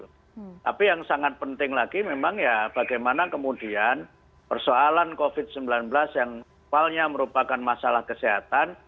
tapi yang sangat penting lagi memang ya bagaimana kemudian persoalan covid sembilan belas yang awalnya merupakan masalah kesehatan